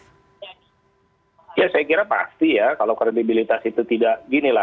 ya saya kira pasti ya kalau kredibilitas itu tidak gini lah